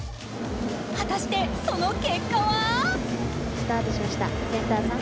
果たして、その結果は？